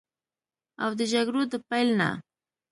او د جګړو د پیل نه